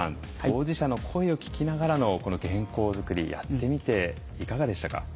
当事者の声を聞きながらのこの原稿作りやってみていかがでしたか？